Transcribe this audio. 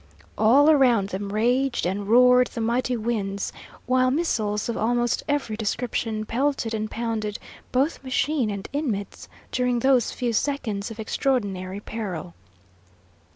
All around them raged and roared the mighty winds, while missiles of almost every description pelted and pounded both machine and inmates during those few seconds of extraordinary peril.